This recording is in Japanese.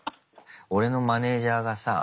俺のマネージャーがさ